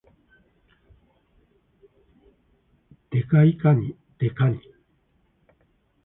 デカいかに、デカニ